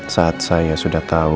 saat saya sudah tau